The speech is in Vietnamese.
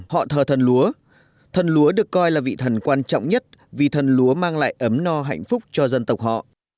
họ thờ thần lúa thần lúa được coi là vị thần quan trọng nhất vì thần lúa mang lại ấm no hạnh phúc cho dân tộc họ